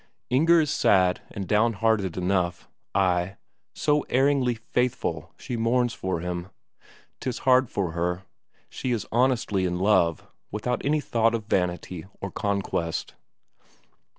Inger is sad and down hearted enough; ay, so erringly faithful that she mourns for him. 'Tis hard for her; she is honestly in love, without any thought of vanity or conquest.